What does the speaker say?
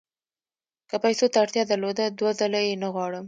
که پیسو ته اړتیا درلوده دوه ځله یې نه غواړم.